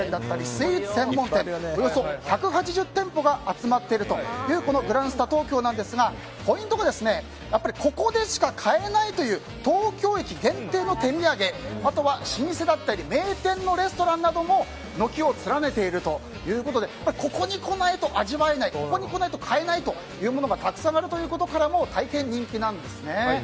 スイーツ専門店などおよそ１８０店舗が集まっているというグランスタ東京なんですがポイントが、やっぱりここでしか買えないという東京駅限定の手土産または老舗だったり名店のレストランなども軒を連ねているということでここに来ないと味わえないここに来ないと買えないものがたくさんあるということからも大変人気なんですね。